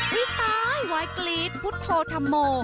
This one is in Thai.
พี่ต้อยวายกรีดพุทธโธธัมโม